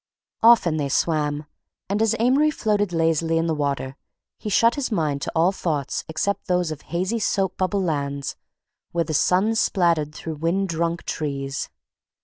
Often they swam and as Amory floated lazily in the water he shut his mind to all thoughts except those of hazy soap bubble lands where the sun splattered through wind drunk trees.